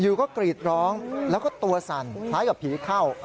อยู่ก็กรีดร้องแล้วก็ตัวสั่นคล้ายกับผีเข้า